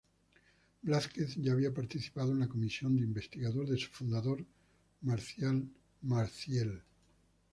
Blázquez ya había participado en la comisión de investigación de su fundador, Marcial Maciel.